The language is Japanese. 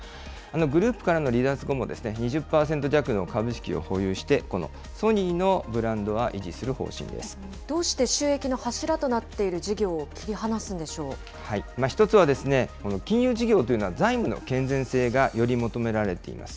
グループからの離脱後も２０％弱の株式を保有して、このソニーのどうして収益の柱となってい１つは金融事業というのは財務の健全性がより求められています。